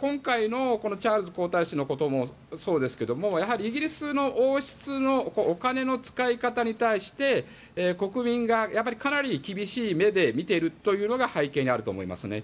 今回のチャールズ皇太子のこともそうですけどもやはりイギリスの王室のお金の使い方に対して国民がかなり厳しい目で見ているというのが背景にあると思いますね。